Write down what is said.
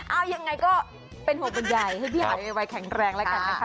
เอายังไงก็เป็นห่วงบรรยายให้พี่หายไวแข็งแรงแล้วกันนะคะ